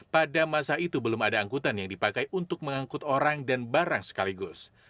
pada masa itu belum ada angkutan yang dipakai untuk mengangkut orang dan barang sekaligus